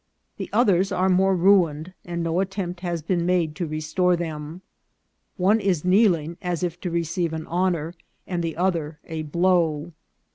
The others are more ruined, and no attempt has been made to restore them. One is kneeling as if to receive an honour, and the other a blow.